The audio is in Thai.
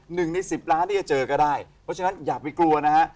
หนึ่งในสิบล้านที่จะเจอก็ได้เพราะฉะนั้นอย่าไปกลัวนะฮะ